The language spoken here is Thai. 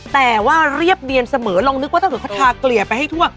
แต่ว่าเรียบเนียนเสมอลองนึกว่าถ้าเกิดเขาทาเกลี่ยไปให้ทั่ว